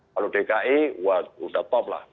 kalau dki wah udah top lah